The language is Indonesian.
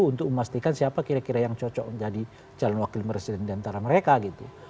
untuk memastikan siapa kira kira yang cocok menjadi calon wakil presiden diantara mereka gitu